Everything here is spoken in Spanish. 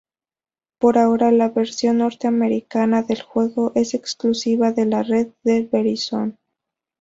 Por ahora, la versión norteamericana del juego es exclusiva de la red de Verizon.